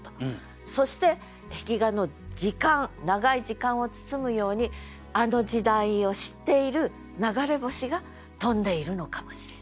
そして壁画の時間長い時間を包むようにあの時代を知っている流れ星が飛んでいるのかもしれない。